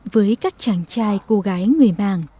với các chàng trai cô gái người mảng